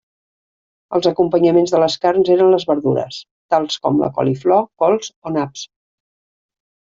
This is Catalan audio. Els acompanyaments de les carns eren les verdures, tals com la coliflor, cols o naps.